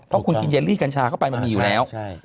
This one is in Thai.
เพราะคุณกินเยลลี่กัญชาเข้าไปมันมีอยู่แล้ว